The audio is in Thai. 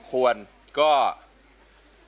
ครับ